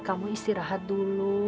kamu istirahat dulu